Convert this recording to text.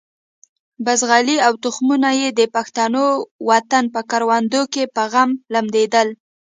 بزغلي او تخمونه یې د پښتون وطن په کروندو کې په غم لمدېدل.